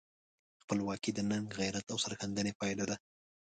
خپلواکي د ننګ، غیرت او سرښندنې پایله ده.